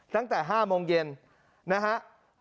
ตั้งแต่๕โมงเย็นนะฮะ